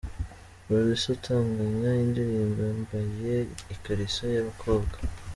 Producer utunganya indirimbo yambaye ikariso y’abakobwa’.